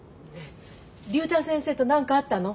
竜太先生と何かあったの？